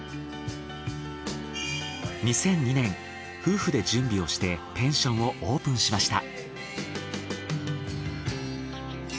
２００２年夫婦で準備をしてペンションをオープンしました。